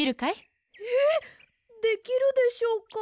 えっできるでしょうか。